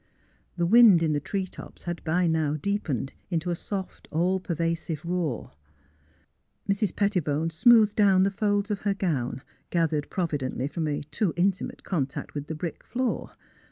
The wind in the tree tops had by now deepened into a soft, all pervasive roar. Mrs. Pettibone smoothed down the folds of her gown, gathered providently from a too intimate contact mth the brick floor.